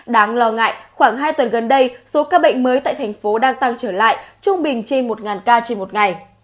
đáng lo ngại khoảng hai tuần gần đây số ca bệnh mới tại thành phố đang tăng trở lại trung bình trên một ca trên một ngày